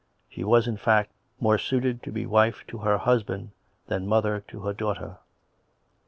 She was, in fact, more suited to be wife to her husband than mother to her daughter.